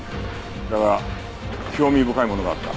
だが興味深いものがあった。